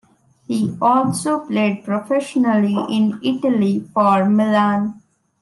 He also played professionally in Italy for Milan.